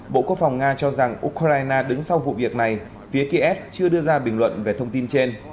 bộ quốc phòng nga cho rằng ukraine đứng sau vụ việc này phía kiev chưa đưa ra bình luận về thông tin trên